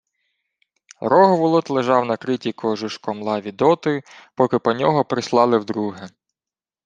Рогволод лежав на критій кожушком лаві доти, поки по нього прислали вдруге.